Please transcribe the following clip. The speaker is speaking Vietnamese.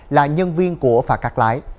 là nhân viên của phà cắt lái